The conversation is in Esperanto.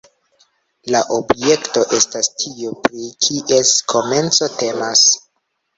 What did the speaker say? La objekto estas tio, pri kies komenco temas.